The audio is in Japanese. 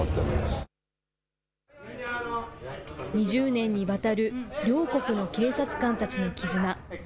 ２０年にわたる、両国の警察官たちの絆。